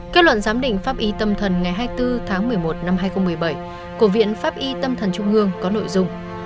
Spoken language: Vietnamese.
kết luận giám định pháp y tâm thần ngày hai mươi bốn tháng một mươi một năm hai nghìn một mươi bảy của viện pháp y tâm thần trung ương có nội dung